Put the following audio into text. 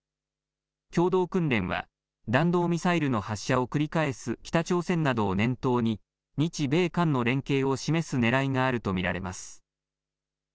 共同訓練は弾道ミサイルの発射を繰り返す北朝鮮などを念頭に日米韓の連携を示すねらいがあると見られます。